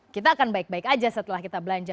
kita akan baik baik aja setelah kita belanja